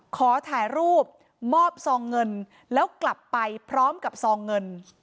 ขอถ่ายรูปมอบซองเงินแล้วกลับไปพร้อมกับซองเงิน